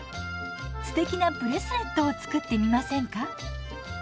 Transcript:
すてきなブレスレットを作ってみませんか？